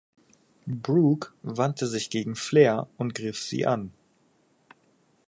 Brooke wandte sich gegen Flair und griff sie an.